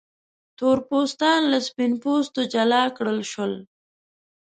تور پوستان له سپین پوستو جلا کړل شول.